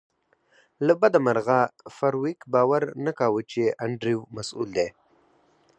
له بده مرغه فارویک باور نه کاوه چې انډریو مسؤل دی